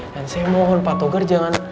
dan saya mohon pak togar jangan